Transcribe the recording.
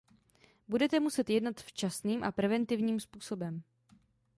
Budete muset jednat včasným a preventivním způsobem.